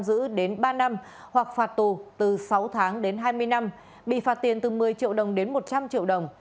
giữ đến ba năm hoặc phạt tù từ sáu tháng đến hai mươi năm bị phạt tiền từ một mươi triệu đồng đến một trăm linh triệu đồng